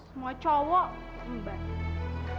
semua cowok mbak